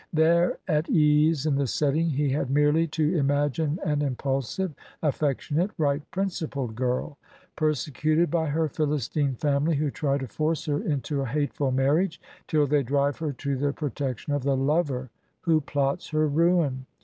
There, at ease in the setting, he had merely to imagine an impulsive, affectionate, right principled girl, per secuted by her philistine family, who try to force her into a hateful marriage, till they drive her to the pro tection of the lover who plots her ruin.